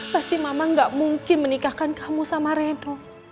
pasti mama gak mungkin menikahkan kamu sama redro